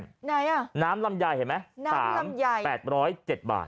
ไหนอ่ะน้ำลำไยเห็นไหม๓๘๐๗บาท